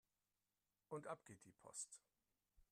Und ab geht die Post!